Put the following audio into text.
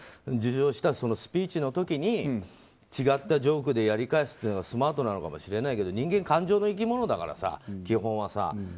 受賞したスピーチの時に違ったジョークでやり返すというのがスマートなのかもしれないけど人間、感情の生き物だからさ基本はさ。